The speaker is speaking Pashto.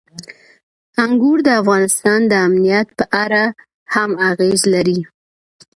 انګور د افغانستان د امنیت په اړه هم اغېز لري.